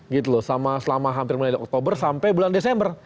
gitu loh selama hampir mulai dari oktober sampai bulan desember